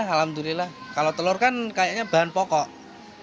itu bisa dia cantik dapat kamu hati hati akan kemah cheitinya tuhan sudah meminjam ia dan